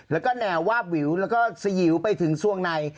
แล้วก็แนววาบวิวแล้วก็สยิวไปถึงสวงใน